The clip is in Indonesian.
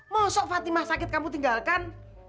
masuk fatimah sakit kamu tinggalkan